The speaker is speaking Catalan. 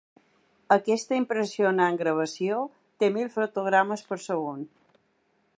Aquesta impressionant gravació té mil fotogrames per segon.